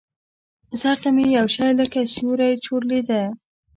سر ته مې يو شى لکه سيورى چورلېده.